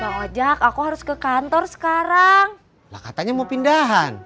bang ojak aku harus ke kantor sekarang katanya mau pindahan